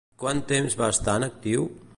Quant temps va estar en actiu?